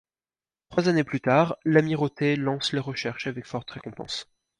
Trois années plus tard, l'amirauté lance les recherches avec forte récompense.